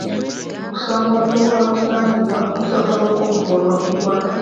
Okusomoozebwa okusangibwa kusobola okuvvuunukibwa.